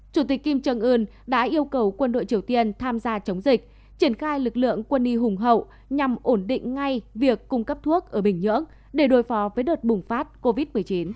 chủ tịch kim trương ưn đã yêu cầu quân đội triều tiên tham gia chống dịch triển khai lực lượng quân y hùng hậu nhằm ổn định ngay việc cung cấp thuốc ở bình nhưỡng để đối phó với đợt bùng phát covid một mươi chín